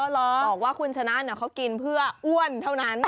บอกว่าคุณชนะเขากินเพื่ออ้วนเท่านั้น